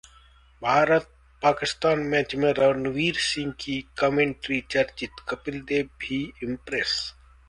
Bharat Pakistan match में रणवीर सिंह की commentary चर्चित, कपिल देव भी इम्प्रेस